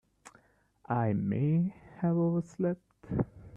I may have overslept.